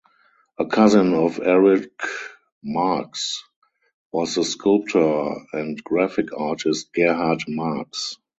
A cousin of Erich Marcks was the sculptor and graphic artist Gerhard Marcks.